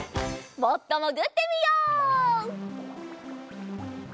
もっともぐってみよう。